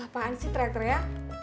apaan sih tractor ya